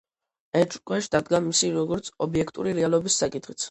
ეჭვქვეშ დადგა მისი, როგორც ობიექტური რეალობის საკითხიც.